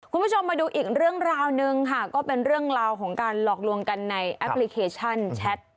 คุณผู้ชมมาดูอีกเรื่องราวหนึ่งค่ะก็เป็นเรื่องราวของการหลอกลวงกันในแอปพลิเคชันแชท